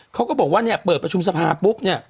เขาก็บอกว่าเนี่ยเปิดประชุมสภาปุ๊บเนี่ย